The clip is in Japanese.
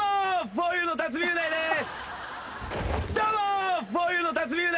ふぉゆの辰巳雄大です。